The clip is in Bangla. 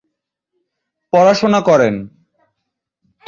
পড়াশোনা করেন।